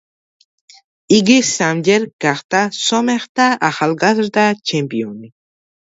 იგი სამჯერ გახდა სომეხთა ახალგაზრდა ჩემპიონი.